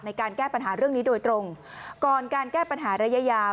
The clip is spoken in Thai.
ในการแก้ปัญหาเรื่องนี้โดยตรงก่อนการแก้ปัญหาระยะยาว